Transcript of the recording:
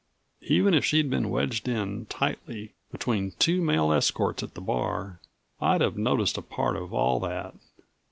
Even if she'd been wedged in tightly between two male escorts at the bar, I'd have noticed a part of all that.